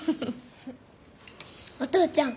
お父ちゃん。